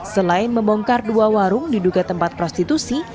selain membongkar dua warung diduga tempat prostitusi